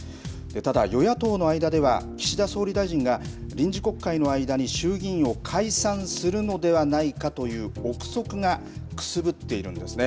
ただ、与野党の間では岸田総理大臣が臨時国会の間に衆議院を解散するのではないかという臆測がくすぶっているんですね。